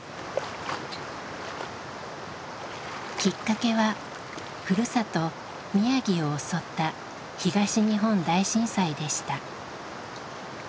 きっかけはふるさと宮城を襲った東日本大震災でした。